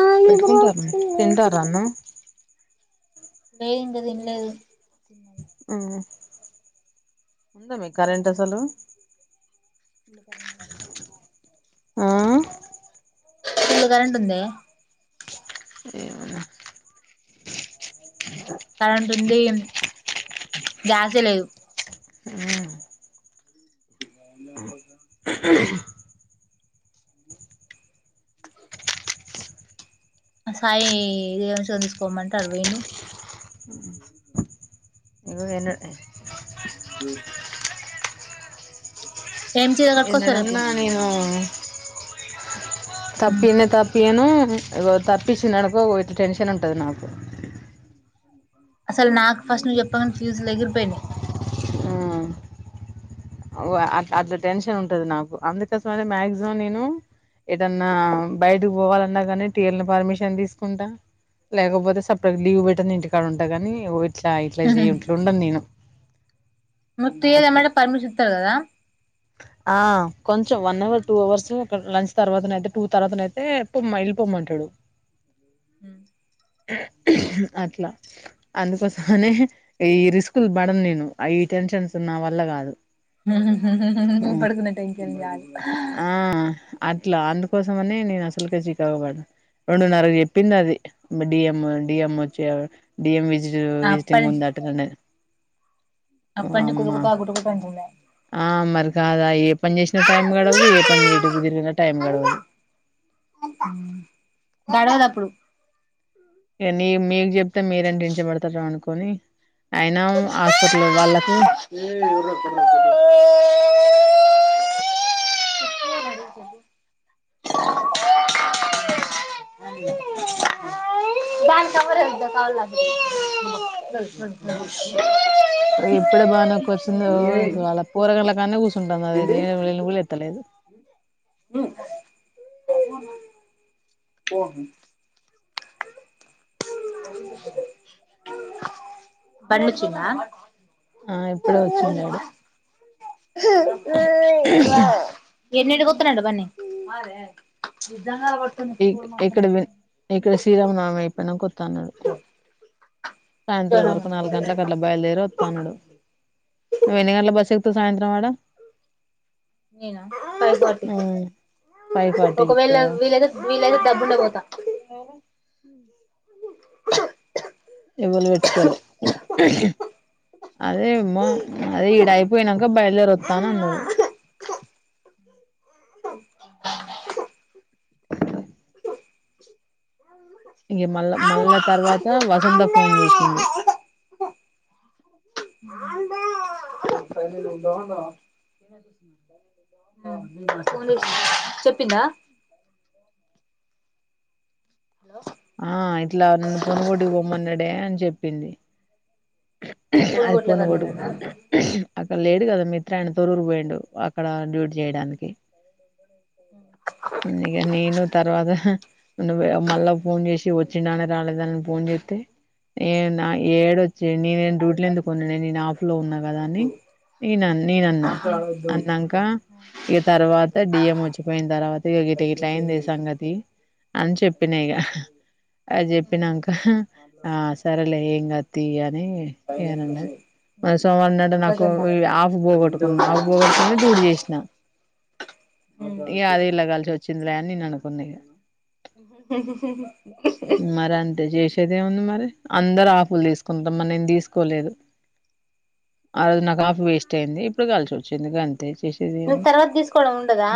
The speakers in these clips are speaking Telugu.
ఆ నిద్ర పెట్టుకుంటారు న్ వస్తుంది తింటారా అన్నం లే ఇంకా తిన్లేదు ఆ ఉందా మీకు కరెంట్ సానం అసలు చేయలే మళ్ళీ కరెంటు పోయింది ఆ కరెంట్ ఉందా ఏమన్నా కరెంట్ ఉంది గ్యాసే లేదు గాలి నా కొడకా సాయి వివాన్ష్ గాన్ని తీసుకోమంటే అటు వోయిండు ఇగో ఎన్న [inaudible] ఏం చీర కట్టుకొస్తావు రేపు ఎన్నడన్నా నేను తప్పియనే తప్పియను ఇగో తాప్పిచిననుకో గొ ఇట్ట టెన్షన్ ఉంటది నాకు అసలు నాకు ఫస్ట్ నువ్వు చెప్పగనే ఫ్యూస్ ల్ ఎగిరిపోయినాయి ఆవో అట్ల అట్లా టెన్షన్ ఉంటది నాకు అందుకోసం అనే మాక్సిమం నేను ఎటన్నా బయిటికి పోవాలన్నా కానీ టీ ఎల్ ని పర్మిషన్ తీసుకుంటా లేకపోతే సక్కగా లీవ్ పెట్టినా ఇంటికాడ ఉంటా గాని ఓ ఇట్లా ఇట్లా చేయ ఇట్ల ఉండను నేను మరి టి ఎల్ అట్లా అన్నాక పర్మిషన్ ఇత్తారు కదా ఆ కొంచెం వన్ అవర్ టూ అవర్స్ ఒక లంచ్ తర్వాతనైతే టూ తర్వాతన అయితే పోమని వెళ్ళిపోమ్మంటాడు హ్మ్ [inaudible] అట్లా అందుకోసమనే ఈ రిస్కులు బడను నేను అ ఈ టెన్షన్స్ ఉన్నా వల్ల కాదు పడుకున్న టైంకి అది గాదు ఆ! అట్లా అందుకోసమనే నేను అసల్ కే చికాకు బడను రెండున్నరకు చెప్పింది అది డిఎం డిఎం వచ్చ డిఎం విజి విజిటింగ్ అప్పటి ఉంది అట్లా నే అప్పటి నుంచి ఆమ్మా కుటుకుట కుటుకుట అంటుంది ఆ మరికాదా ఎ పని చేసినా టైం గడవదు ఏ పని చే ఎటు కుదిరిగిన టైం గడవదు దడ ఇక నేను మీకు చెప్తే మీరేం టెన్షన్ పడతారో అనుకోని అయినా హాస్పిటల్ వాళ్ళకు [inaudible] [unintelligible] ఇప్పుడే బనక వచ్చింది ఏంటి అసలలా పోరగాళ్ల కానే కూర్చుంటంది లేవు మినుగులు ఎత్తలేదు [inaudible] పర్మిచిన్ ఆ [inaudible] ఆ ఇప్పుడే వచ్చిండాడు ఎన్నింటికిఓత్తడంట బన్నీ ఇట్ ఎక్కడ వి ఎక్కడ శ్రీరామనవమి అయిపోయినాక ఓత అన్నాడు సాయంత్రం వరకు నాలుగు గంట్లకు అట్లా బయలుదేరి ఒత్త అన్నాడు నువ్ ఎన్ని గంట్ల బస్సు ఎ తో సాయంత్రం వడ నేనా ఫైవ్ ఫార్టీ ఫైవ్ ఫార్టీకి ఒకవేళ ఎక్కుతావా వీలది వీలైతే దబ్బునెపోతా హ్మ్ ఎవ్వలు వెట్టుకోలే అదేమ్మో అదీడయిపోయినాక బయల్దేరోస్తాన అన్నాడు ఇంఖ మళ్ళా మళ్ళ తర్వాత వసంత ఫోన్ చేసింది ద ద [inaudible] చెప్పిందా ఆ ఇట్లా నన్ను పొనుగోటి పోమ్మన్నాడే అని చెప్పింది ఇప్పుడు అది కూడా పోను ఎవరు గోడు లేరనా అది లేడు కదా మిత్ర ఆయన టురుకు పోయిండు అక్కడ డ్యూటీ చేయడానికి ఇగ నేను తర్వాత నువ్వు మళ్ళా ఫోన్ చేసి వచ్చినాడ రాలేదాన్ పోన్ జేతే ఏ నా ఏడు చెడు నేను డూట్లేందుకొన్నానే నేను ఆఫ్లో ఉన్నా కదా అని నేన నేనన్నా మాట్లాడొద్దు అన్నాంక ఇగ తర్వాత సైలెంట్ డిఎం వచ్చిపోయిన తర్వాత ఇగ ఇట ఇట్ అయింది ఉండు సంగతి అని చెప్పిన ఇగ అది హ్మ్ చెప్పినాక ఆ మాట్లాడొద్దు సరేలే ఏం కా ఏంది సైలెంట్ ఏనండ ఉండు మ సోమవారం నాడు నాకు సరేనా ఆఫ్ సైలెంట్ ఉండు పోగొట్టుకున్నా ఆఫ్ బోగొట్టుకుని డూట్ చేసిన ఇగ మాట్లాడొద్దు అది ఇలా కలిసోచ్చింద్లే అని నేన్ అను అన్కునిగా మరి అంత చే సేదేముంది మరి అందరు ఆఫ్ల్ తీసుకుంటున నేను తీసుకోలేదు ఆ రోజు నా ఆఫ్ వేస్ట్ అయింది ఇప్పుడు కలిసోచ్చింది గంత ఏం చేసేది నువ్వు ఏముంది తర్వాత తీసుకోవడం ఉండదా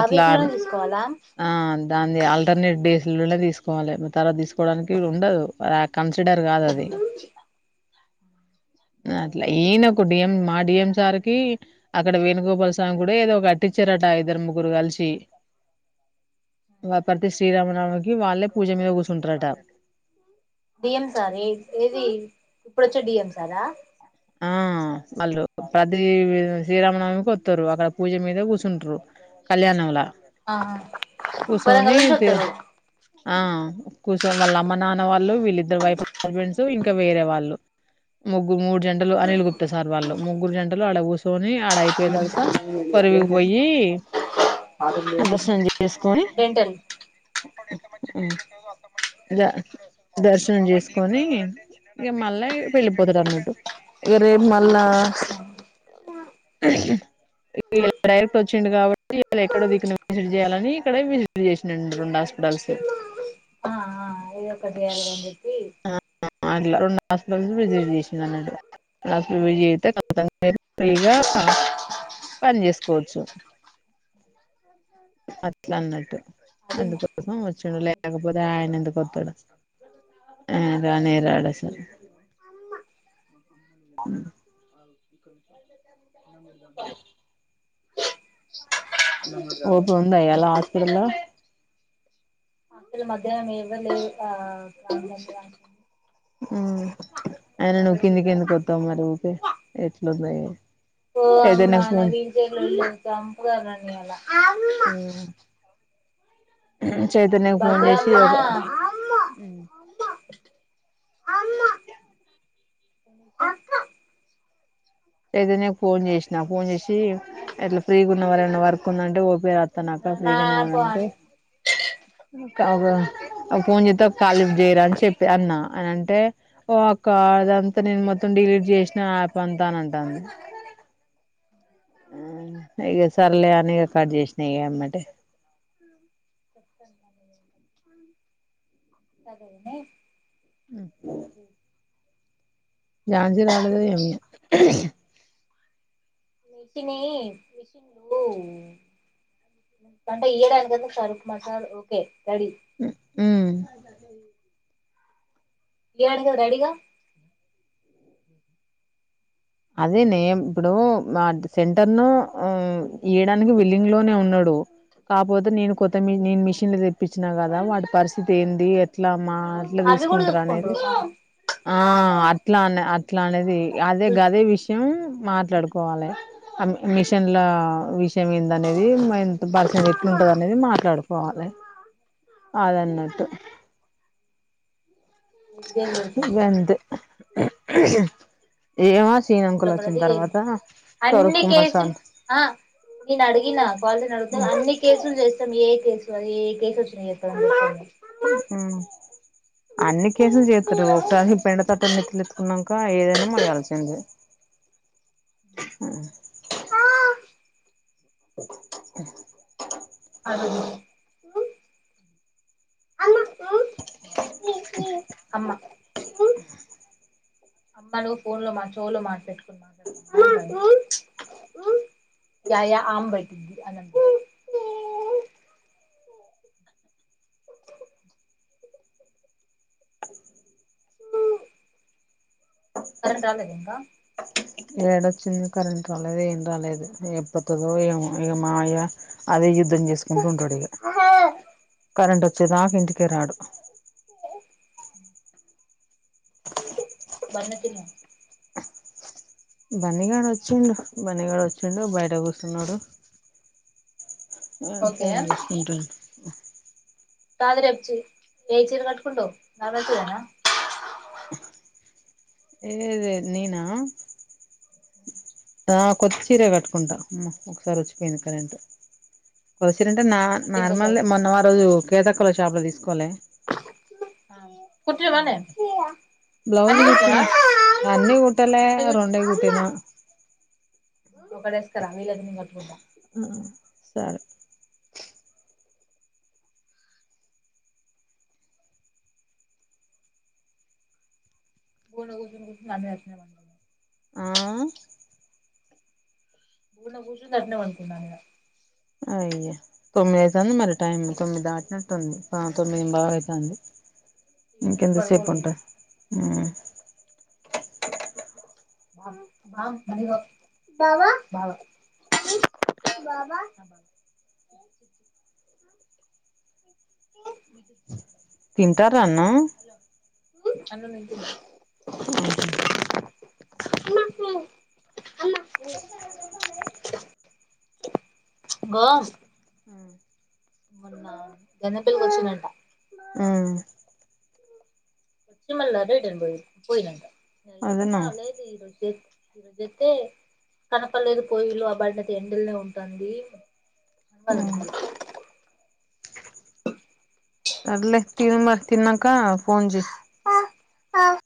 ఆ వీక్ లోనే తీసుకోవాలా ఆ దాంది అన్ని డేసులోనే తీసుకోవాలి తర్వాత తీసుకోవడానికి ఉండదు కన్సిడర్ కాదు అది ఆ అట్లా ఈయనోక డిఎం మా డిఎం సార్కి అక్కడ వేణుగోపాల్ సామి గుడో ఏదో కట్టించిరాట ఇద్దరు ముగ్గురు కలిసి ప్రతి శ్రీరామనామకి వాళ్ళే పూజ మీద కూర్చుంటారట డిఎం సార్ ఏ ఏది ఇప్పుడొచ్చే డిఎం సారా ఆ వాళ్ళు ప్రతి శ్రీరామనవమికి ఓత్తరు అక్కడ పూజ మీద కూసుంటారు కళ్యాణంలా ఆహా కూర్చొని వరంగల్ వోతడు ఆ కూసో వాళ్ళ అమ్మ నాన్న వాళ్ళు వీళ్ళిద్దరు వైఫ్ హస్బెండ్స్ ఇంకా వేరే వాళ్ళు ముగ్గురు మూడు జంటలు అనిల్ గుప్త సార్ వాళ్ళ ముగ్గురు జంటలు అడస్త దోని అడాయ్పొడంక ఏం చెప్పు పర్వికిపోయి హాస్పిటల్ ఏం చెప్పు దర్శనం చేసుకొని డెంటల్ ఉహ్ గా దర్శనం చేసుకొని ఇంక మళ్ళా వెళ్ళిపోతడన్నట్టు ఇగ రేపు మల్లా ఇలా డైరెక్ట్ వచ్చిండు కాబట్టి ఇళ్ళ ఎక్కడోదికున విజిట్ చేయాలని ఇక్కడ విజిట్ చేసినడి రెండుష్ట డాల్సి ఆ ఆ ఏదోకటి చేయలన్జేపి ఆహ్ అట్ల రెండు హాస్పిటల్స్ విజిట్ చేసిండన్నట్టు హస్పిటల్ విజిట్ చెత్తే తప్పకుండా కొంత ఫ్రీగా [unintelligible] పన్జేసుకోవచ్చు. అట్లా అన్నట్టు అది అందుకోసం వచ్చాడు లేకపోతే ఆయన ఎందుక వస్తాడు ఆ మమ్మీలో రానేే రాడు అసల మమ్మీలో అమ్మలు వీళ్ళు ఒక్క నిమిషం అన్నం పెడ్దామా? ఓపి ఉందా ఈయలా హాస్పిటల్ లో అందరు మధ్యాహ్నం ఎవ్వర్లేరు ప్రబ్లం కాదు ఉమ్ అయన నువ్వు కిందకి ఎందుకు ఒత్తవ్ మరి ఊకే మెట్లున్నాయి ఓ అమ్మా నా వీతో ఎమ్ లొల్లి సంపుకదా నియవ్వ ఉమ్. మీకు ఈ చైతన్యకు ఫోన్ చేసి డబ్బులల్లా ఒక ఉమ్. అమ్మ అక్క వదిన కి ఫోన్ చేష్నా ఫోన్ చేషి ఎట్ల ఫ్రీగా ఉన్నవార ఏమన్న వర్క్ ఉందంటే ఓ ప [inaudible] తన అక్క నా ఫ్రీగానే పోన్ ఉందంటే ఒక ఫోన్ చెత్తే ఒక కాల్ లిఫ్ట్ చేయరా అని చెప్పి అన్నా అని అంటే ఓ అక్కా అది అంతా నేను మొత్తం డిలీట్ చేష్న యాప్ అంతా అని అంటాంది ఉమ్ ఇగ సర్లే అని కట్ జేష్న ఎమ్మటే [unintelligible] ఉమ్ సరేన ఉమ్ ఝాన్సీ రాలేదా ఏమి? మెషిని మెషిన్న్లు [unintelligible] అంటె ఏడాది బదులు శౌరిక్ మాసాలు ఒకే ఉ ఉమ్ [unintelligible] లేడు గూడ అడిగా అది నే ఇప్పుడు మా సెంటర్ ను ఇయ్యడానికి విల్లింగ్ లోనే ఉన్ నుడు కాకపోతే నేను కొత్త నేను మిషన్లు తెప్పించినా కదా వాడి పరిస్థితి ఏంది ఎట్లా మా అట్ల అవి కూడా తీసుకుంటరు అనేది చూసుకుంట్రు ఆ అట్ల అన్ అట్ల అనేది అదే గదె విషయం ఉమ్ మాట్లాడుకోవాలె అన్ని మిషన్ల లా విషయం ఏందనేది మరి ఎంత పర్సెంట్ ఎట్లుంటది అనేది మాట్లాడుకోవాలె అదన్నట్టు [unintelligible] ఇబ్బందిపెట్టద్దు ఉహు హ్ ఏమో సీనంకుల్ వచ్చిన తర్వాత స్వరూప్ అన్ని కుమార్ కేసుల్ సార్ ఆ నేను అడిగిన కాల్ చేసి అడుగుతే హ్మ్. అన్ని కేసుల్ చేస్తం ఏ కేసు మరి ఏ కేసు వచ్చినాయి చెప్పకదండి [inaudible] ఉమ్ అన్ని కేసులు చేతురు ఒకసారి పైన తట్ట నెత్తి నెత్తుకునంక ఏదైనా మోయాల్సిందే హ్ ఆ అలో చెప్పింది అమ్మ అమ్మలు ఫోన్ లో మంచోలు మనసు పెట్టుకొని మాట్లాడతరు మంచోలు [unintelligible] య యా ఆమ్బైటిది అదంత [unintelligible] కరెంటు రాలేదా ఇంకా ఏడొచ్చింది కరెంటు రాలేదు ఏం రాలేదు ఎ వస్తదే ఏమో ఇంకా మాయ్య అదే అర్ధం చేసుకుంటూ ఉంటాడు ఇగ కరెంట్ వచ్చేదాకా ఇంటికే రాడు [unintelligible] బన్నీగాడు అచ్చిండు బన్నిగాడు అచ్చిండు బయట కూసున్నడు. ఉమ్ ఓకే ఫోన్ చూస్కుంటున్డు ఉహ్ కద్ రేప్ చ్ ఏ చీర కట్టుకుంటవ్ నల్లచీర న ఏ ఏద్ నేనా? ఆ కొత్త చీర కట్టుకుంటా ఒకసారి వచ్చిపోయింది కరెంట్ చ్చరంటే నా అంటే ఇంకోసారి నార్మల్దె మొన్న మనం ఆ రోజు కేతక్కల షాప్ లో తీసుకోలె ఆ కుట్టినవానే బ్లౌజ్ అన్ని కుట్టిన కుట్టినవా అని కుటలే రెండే కుట్టిన ఒకడేస్కర వీలైతే నేన్ కట్టుకుంటా ఆ సరే [unintelligible] ఆ కూన కూసుంది అటనే పండుకుంది న మీద అయ్యా తొమ్మిది అయితాంది మరి టైమ్ తొమ్మిది దాటినటు ఉంది ఆ తొమ్మిది బావ్ అయితాంది ఈ టైంకి ఇంకెంత సేపు పడుకోరు పంట వీళ్ళు బావ బావ తింటారా ఆన్ అన్నం తింటాన్ ఉహు [unintelligible] ఇగో మొన్న గణేపెల్లి వచ్చిన అంట ఆ వచ్చి మల రిటర్న్ పోయిండు పోయినాక అదేనా ఆ లేదు ఈరోజు ఇతే కనపడలేదు పోయిలు ఆ బడియితే ఎండలనే ఉంటాంది [unintelligible] సర్లే తిను మరి తినంకా ఫోన్ చెయ్ అ్వ